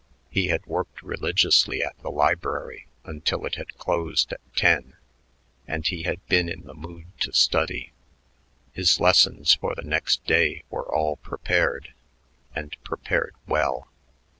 He had worked religiously at the library until it had closed at ten, and he had been in the mood to study. His lessons for the next day were all prepared, and prepared well.